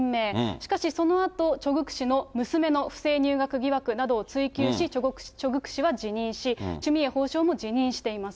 しかし、そのあと、チョ・グク氏は娘の不正入学疑惑などを追及し、チョ・グク氏は辞任し、チュ・ミエ前法相も辞任しています。